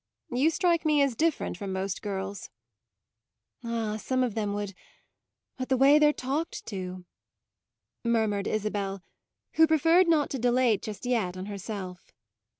"You strike me as different from most girls." "Ah, some of them would but the way they're talked to!" murmured Isabel, who preferred not to dilate just yet on herself.